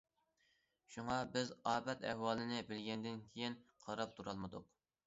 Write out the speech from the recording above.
شۇڭا بىز ئاپەت ئەھۋالىنى بىلگەندىن كېيىن قاراپ تۇرالمىدۇق.